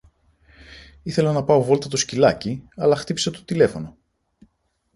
Ήθελα να πάω βόλτα το σκυλάκι αλλά χτύπησε το τηλέφωνο.